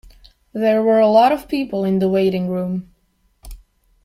There were a lot of people in the waiting room.